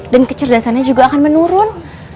dan kecerdasannya juga akan menurun